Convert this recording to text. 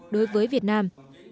đối với việt nam